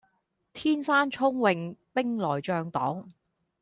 天生聰穎兵來將擋